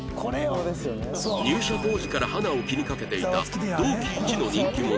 入社当時から花を気にかけていた同期一の人気者